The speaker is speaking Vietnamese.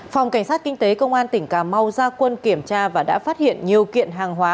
phòng cảnh sát kinh tế công an tỉnh cà mau ra quân kiểm tra và đã phát hiện nhiều kiện hàng hóa